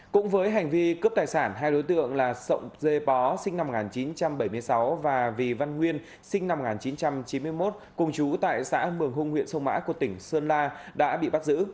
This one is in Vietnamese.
cũng với hành vi cướp tài sản hai đối tượng là sộng dê bó sinh năm một nghìn chín trăm bảy mươi sáu và vì văn nguyên sinh năm một nghìn chín trăm chín mươi một cùng chú tại xã mường hung huyện sông mã của tỉnh sơn la đã bị bắt giữ